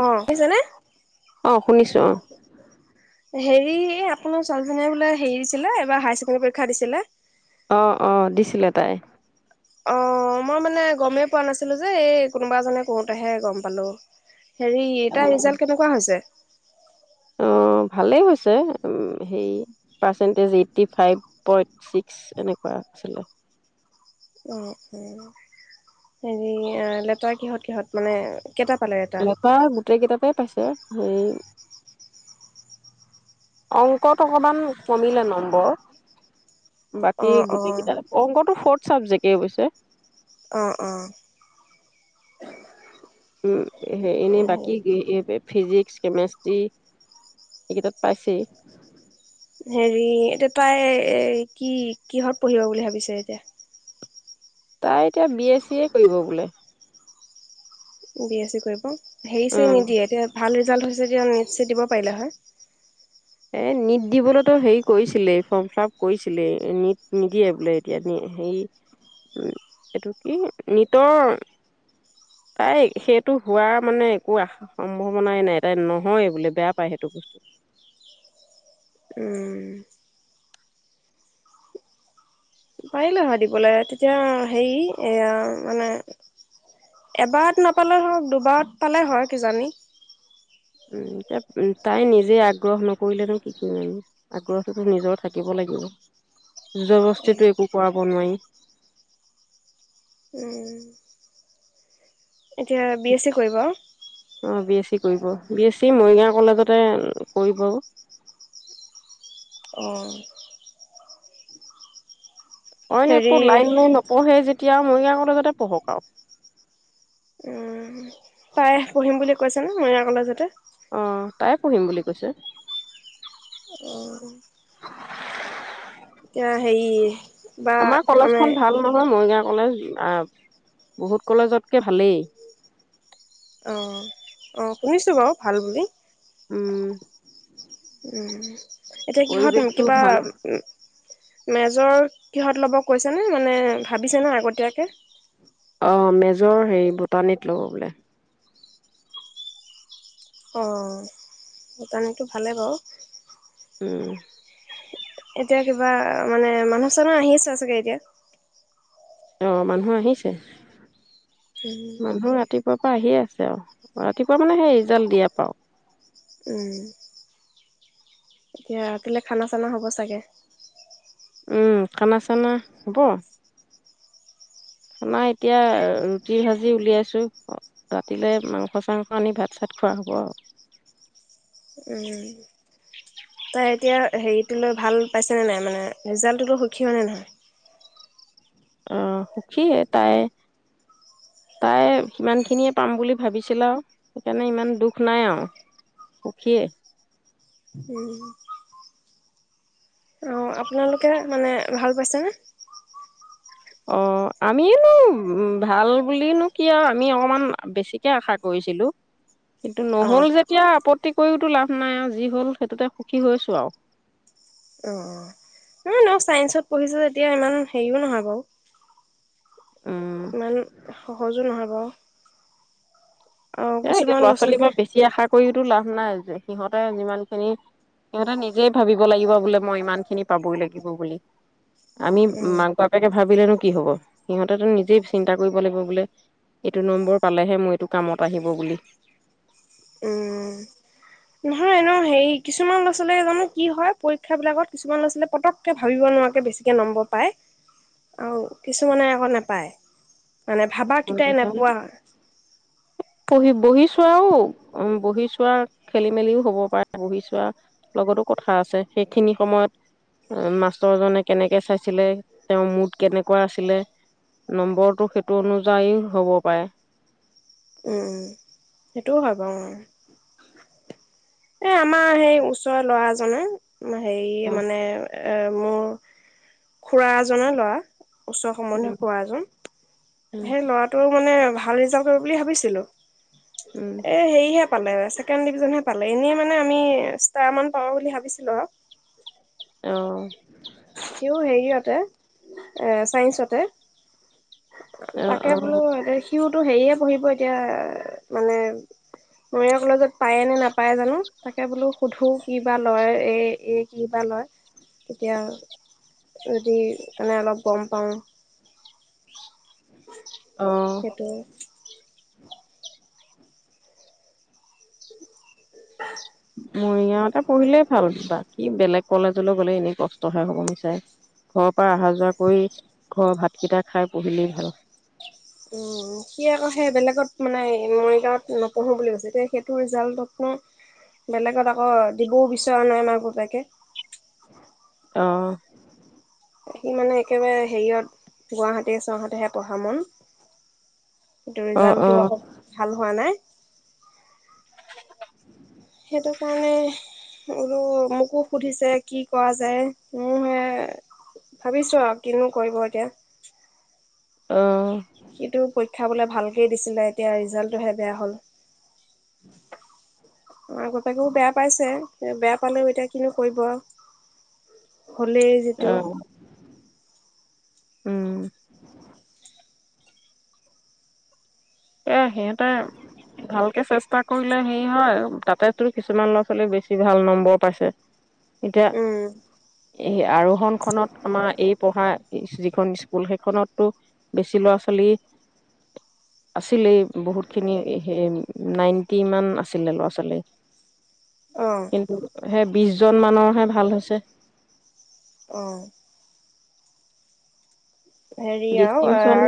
অ', পিছে নে? অ শুনিছো হেৰি এ, আপোনাৰ ছোৱালীজনীয়ে বোলে হেৰি দিছিলে এইবাৰ হাই ছেকেনদেৰী পৰীক্ষা দিছিলে? অ', অ' দিছিলে তাই। অ', মই মানে গমেই পোৱা নাছিলো যে এই কোনোবা এজনে কওঁতেহে গম পালো। হেৰি, তাৰ ৰিজাল্ট কেনেকুৱা হৈছে? অ'। অ', অ', হেৰি লেটাৰ কিহত কিহত মানে কেইটা পালে লেটাৰ গোটেই কিতাপেই পাইছে হেৰি। অংকত অকমান কমিলে নম্বৰ। অ বাকী অ গোটেকিটা অংকটো ফট- চাবজেকে অবশ্যে। অঁ, অঁ। উম, এনেই বাকী ফিজিক্স কেমেষ্টি, এইকেইটাত পাইছেই হেৰি, এটোকৈ কি, কিহত পহিব বুলি ভাবিছে এতিয়া? তাই এতিয়া বি এ, চি এ কৰিব বোলে। বিহি এ চি কৰিব। হেৰিছে উম নিদিয়ে, এতিয়া ভাল। ৰিজাল্ট হৈছে যেতিয়া নিত-চিত দিব পাৰিলে হয়। এ নিত দিবলৈতো হেৰি কৰিছে। কিলে, ফৰ্ম ফিলাপ কৰিছিলে, নট নিদিয়ে বোলে এতিয়া, হে ৰি এইটো কি নিটৰ তাই সেইটো হোৱা মানে একো আশা-সম্ভাৱনাই নাই তাই নহয়েই বোলে বেয়া সেইটো বস্তু। উম পাৰিলে হয় দিবলে তেতিয়া হেৰি এয়া মানে এবাৰত নাপালে ধৰক দুবাৰত পালে হয় কিজানি। উম', এতিয়া তাই নিজে আগ্ৰহ নকৰিলেনো কি কৰিম, আগ্ৰহটোতো নিজৰ থাকিব লাগিব। যু যবচটিটো একো কৰাব নোৱাৰি।। [unintelligible] উম। এতিয়া বি এছ চি কৰিব। অ, বি এছ চি কৰিব, বি এছ চি মৰিগাঁও কলেজত। তে কৰিব আৰু। অ। অইন একো হেৰি লাইন লৈ নপঢ়ে যেতিয়া অ মৰিগাঁও কলেজতে পঢ়ক আৰু।। উম, তাই পঢ়িম বুলি কৈছে ন মৰিগাঁও কলেজতে অ', তাই পঢ়িম বুলি কৈছে। অ। এতিয়া হেই আমাৰ কলেজ খন ভাল নহয়, মৰিগাঁও। কলেজ, আ বহুত কলেজতকে ভালেই। অ-অ, শুনিছোঁ বাৰু ভাল বুলি। উম। উম। এতিয়া কিহঁত পৰিৱেশটো কিবা। ভাল। মেজৰ কিহঁত ল'ব কৈছেনে মানে ভাবিছে নে আগতীয়াকৈ। অ, মেজৰ হেৰি বুটানীত ল'ব বোলে। অ [unintelligible] ভালেই বাৰু উম এতিয়া কিবা মানে মানুহ চানুহ আহি আছে চাগে এতিয়া। অ মানুহ আহিছে? উম, মানুহ ৰাতিপুৱা তাই আহিয়ে আছে আৰু ৰাতিপুৱা মানে সেই ৰিজাল্ট দিয়ে [unintelligible] উম এতিয়া ৰাতিলৈ খানা চানা হ'ব চাগে। উম খানা চানা হ'ব খানা এতিয়া ৰুটি ভাজি উলিয়াইছোঁ, ৰাতিলৈ মাংস চাংস আনি ভাত-চাত খোৱা হ'ব আৰু উম তাই এতিয়া হেৰিটো লৈ ভাল পাইছেনে নাই মানে ৰিজাল্টটোলৈ সুখী হয়নে নহয় অম সুখীয়ে তাই। তাই সিমান খিনিয়ে পাম বুলি ভাবিছিলে আৰু সেইকাৰণে সিমান দুখ নাই আৰু সুখীয়েই। হম [unintelligible] অঁ আপোনালোকে মানে ভাল পাইছেনে অ আমিনো ভাল বুলিনো কি আৰু আমি অকমান বেছিকে আশা কৰিছিলো এইতো নহল অ', যেতিয়া আপত্তি কৰিও একোটা টো লাভ নাই আৰু যি হ'ল সেইটোতে সুখী হৈছোঁ আৰু অ তুমি নো চাইঞ্চত পঢ়িছে তেতিয়া ইমান হেৰিও নহয় বাৰু উম ইমান সহজো নহ'ব এ এতিয়া ল'ৰা ছোৱালীবোৰক বেছি আশা কৰিতো লাভ নাই আজি সিহঁতে যিমান খিনি। সিহঁতে নিজেই ভাবিব লাগিব বোলে মই ইমান খিনি পাবই লাগিব বুলি। আমি উম, মাক পাপেকে ভাবিলে নো কি হ'ব, সিহঁতেটো নিজেই চিন্তা কৰিব লাগিব বোলে, এইটো নম্বৰ পালেহে মই এইটো কামত [unintelligible] বুলি উম নহয় এনেও হেৰি কিছুমান ল'ৰা ছোৱালী জানো কি হয় পৰীক্ষাবিলাকত কিছুমান ল'ৰা ছোৱালীয়ে পতককৈ ভাবিব নোৱাৰাকে বেছিকে নম্বৰ পায় আৰু কিছুমানে আকৌ নাপায়। মানে ভাবাকিটাই নেপোৱা পঢ়ি বহি চোৱাও, উম বহি চোৱাত খেলি মেলিও হ'ব পাৰে বহি চোৱা লগতো কথা আছে সেইখিনি সময়ত মাষ্টৰজনে কেনেকে চাইছিলে, তেওঁৰ মোড কেনেকুৱা আছিলে, নম্বৰটো সেইটো অনু তাইও হ'ব পাৰে উম সেইটোও হব এ আমাৰ সেই ওচৰত ল'ৰাজনে আমাৰ হেৰি উম, মানে [unintelligible] এ মোৰ খুড়া এজনৰ লৰা উচ্চ সম্বন্ধীয় খুৰা এজন সেই ল'ৰাটো মানে ভাল ৰিল্টযি কৰিব বুলি ভাবিছিলোঁ উম, এ হেৰি হেত পালে ছেকেড ডিভিজনহে পালে এনে মানে আমি ষ্টাৰা মান পাব বুলি ভাবিছিলো আৰু অ', [inaudible] সিও হেৰিয়তে, এ চাইন্সতে। অ', তাকে অ', বোলো হেৰিয়ে পঢ়িব এতিয়া মানে অয় কলেজত পায় নে নাপায় জানো তাকে বোলো সুধো কি বা লয় এ এ কি বা লয়। তেতিয়া যদি মানে অলপ গম পাওঁ অ', সেইতো মৰিগাঁৱতে পঢ়িলেই ভাল বাকী বেলেগ কলেজলৈ গ'লে এনে কষ্টহে হ'ব মিছায়ে। ঘৰৰ পৰা অহা যোৱা কৰি, ঘৰৰ ভাতকেইটা খাই পঢ়িলেই ভাল উম সি আকৌ সেই বেলেগত মানে মৰিগাঁৱত নপঢ়োঁ বুলি কৈছো দেই। সেইটো ৰিজাল্টতনো বেলেগত আকৌ দিবও বিচৰা নাই মাক বাপেকে। অ'। সি মানে একেবাৰে হেৰিয়ত গুৱাহাটী চহৰতেহে পঢ়া মন। কিন্তু অ', ৰিজাল্ট টো অ', আক ভাল হোৱা নাই। সেইটো কাৰণে বোলো মোকো সুধিছে কি কৰা যায়। মোৰহে ভাবিছো আৰু কিনো কৰিব এতিয়া। অ', সিটো খাবলে ভালকেই দিছিলে এতিয়া ৰিজাল্টটোহে বেয়া হ'ল। মাক বাপেকেও বেয়া পাইছে বেয়া পালেও এতিয়া কিনো কৰিব। হলেই যিটো। অ', উম [unintelligible] এ সিহঁতে ভালকে চেষ্টা কৰিলে হেৰি হয়। তাতেটোৰ কিছুমান ল'ৰা ছোৱালী বেছি ভাল নম্বৰ পাইছে। এতিয়া উম এই আৰোহন খনত আমাৰ এই পঢ়া যিখন স্কুল সেইখনতটো বেছি ল'ৰা ছোৱালী আছিলেই। বহুতখিনি নাইনটি মান আছিলে ল'ৰা ছোৱালী। অঁ কিন্তু সেই বিছ জন মানৰহে ভাল হৈছে। অ' হেৰি আৰু ডিচটিংচন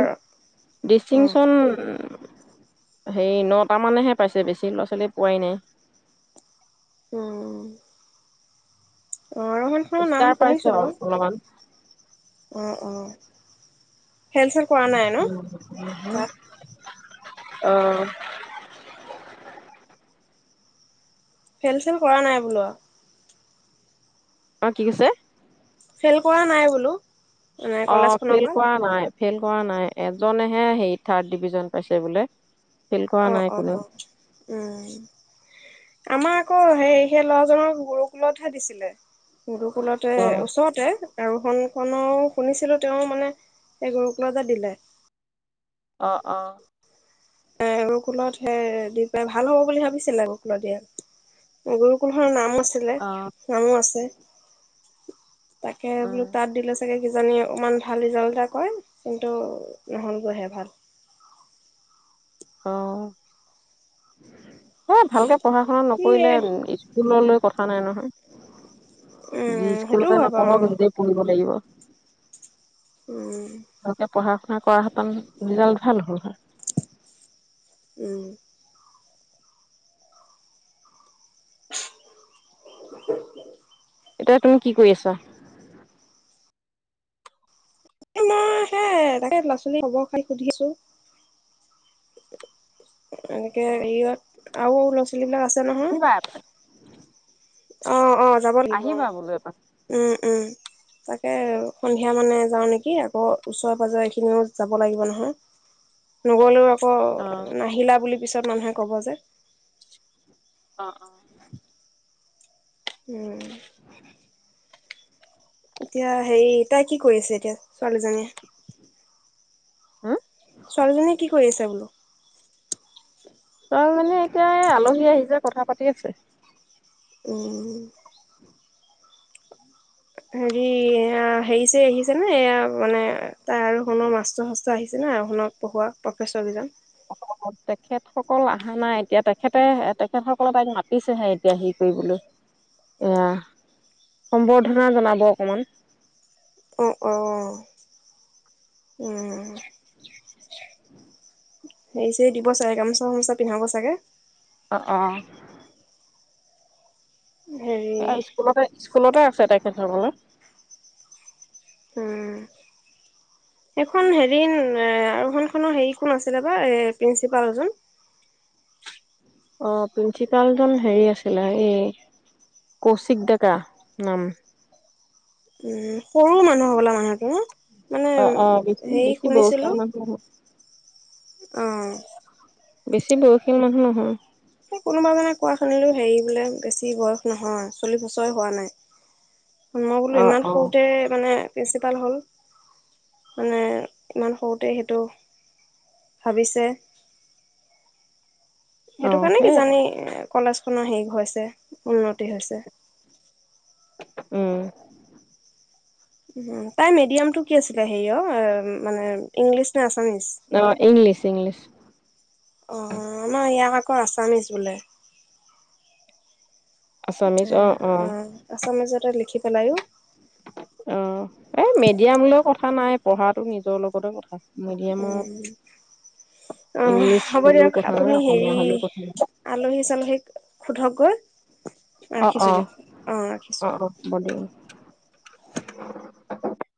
উম ডিচটিংচন সেই নটা মানেহে পাইছে বেছি ল'ৰা ছোৱালী পোৱাই নাই। উম অআৰোহণ খনৰ নাম ষ্টাৰ পাইছে শুনিছোঁ অলপমান বাৰু অ অ ফেইল চেইল কৰা নাই ন তাত? অ ফেইল চেইল কৰা নাই বোলো। অ কি কৈছে? ফেইল কৰা নাই বোলো। মানে অ' কলেজখনৰ ফেইল পৰা কৰা নাই ফেইল পোৱা নাই। এজনেহে হেৰি থাৰ্ড ডিভিজন পাইছে বোলে। ফেইল কৰা অ নাই অ কোনেও উম আমাক কোন সেই সেই ল'ৰাজক গুৰুকুলতহে দিছিলে। গুৰুকুলতে অ ওচৰতে। আৰোহনখৰ ও শুনিছিলো তেওঁ মানে এই গুৰুকুলতে দিলে। অ অ এ গুৰুকুলত সে দি পেলাই ভাল হ'ব বুলি ভাবিছিলে। গুৰুকুলত দিয়া গুৰুকুল খন নাম আছিলে অ নামো আছে। তাকে উম বোলো তাত দিলে চাগে কিজানী অকনমান ভাল ৰিজাল্ট এটা কৰে। কিন্তু নহলগৈহে ভাল অহ। এ ভালকে পঢ়া শুনা কি নকৰিলে স্কুললৈ কথা নাই নহয়, যি উম সেইটোও স্কুলতে হয় বাৰু নপঢ়ক নিজেই পঢ়িব লাগিব। উম। ভালকে পঢ়া শুনা কৰা হেতেন ৰিজাল্ট ভাল হ'ল হয়। উম। [inaudible] এতিয়া তুমি কি কৰি আছ? মই সে তাকে ল'ৰা ছোৱালী খবৰ পাই সুধি আছোঁ। [unintelligible] আৰু লৰা ছোৱালী বিলাক আছে নে আহিবা [unintelligible] অ। অ যাব লাগিব অহ আহিবা বোলো এপাক উম উম। তাকে সন্ধিয়া মানে যাও নেকি আকৌ ওচৰে পাজৰে এইখিনিও যাব লাগিব নহয় নগলেও আকৌ। অ অঁ নাহিলা বুলি। পিছত মানুহে ক'ব যে। অ অ অ। উম। এতিয়া হেৰি তাই কি কৰি আছে এতিয়া ছোৱালীজনীয়ে? হা? ছোৱালীজনীয়ে কি কৰি আছে বোলো তাই মানে এতিয়া, এই আলহী আহি যে কথা পাতিছে। ঠিক আছে। উম। [inaudible] হেৰি হেৰিছেৰি আহিছে নে এয়া মানে তাৰ কোনো মাষ্টৰ শাস্ত্ৰৰ আহিছে নে আৰু শুনক পঢ়োৱা প্ৰফেচৰ কেইজন? তেখেতসকল অহা নাই এতিয়া তেখেতে তেখেতসকললে তাইক মাতিছেহে এতিয়া হেৰি কৰিবলৈ এয়া সম্বৰ্ধনা জনাব অকমান। অঁ অঁ। উম। হেৰি চেৰী দিব চাগে গামোচা গামোচা পিন্ধাব চাগে? অ অ। হেৰি এয়া স্কুলতে স্কুলতে আছে তেখেত সকলে। উম, এইখন হেৰি আৰু খনখনৰ হেৰি কোন আছিলে বা এই প্ৰিন্সিপালজন? অ প্ৰিন্সিপালজন হেৰি আছিলে এই কৌশিক ডেকা নাম। [unintelligible] অ অ বেছি বেছি বহুত মানুহ অহ। বেছি বয়সীয়াল মানুহ নহয়। এই কোনোবা জনে কোৱা শুনিলোঁ হেৰি বোলে বেছি বয়স নহয় চল্লিশ বছৰে হোৱা নাই। মই বোলো অ', ইমান অ'। সৰুতে মানে প্ৰিন্সিপাল হ'ল, মানে ইমান সৰুতে সেইটো ভাবিছে। সেইটো অ', কাৰণে কি সেইয়াই জানি কলেজখনো হেষ হৈছে, উন্নতি হৈছে। উম। তাই মিডিয়ামটো কি আছিলে হেৰি অ'? মানে ইংলিছ নে আছ আমিছ। অ', ইংলিছ ইংলিছ অ', আমাৰ এক আকৌ আছামিছ বোলে। উ, অ। আছামোজতে লিখি পেলায়ো অ', এই মিডিয়াম লৈ কথা নাই, পঢ়াতটো নিজৰ লগতে কথা। উ, মিডিয়ামত অ', ইংলিছ হ'ব হ'লেও দিয়ক কথা নাই আপুনি হেৰি অসমীয়া হ'লেও কথা নাই। আলহী চালহীক সোধক গৈ অ' অ' ৰাখিছোঁ। অ' অ', হ'ব দিয়ক। [unintelligible]